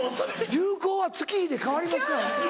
流行は月日で変わりますから。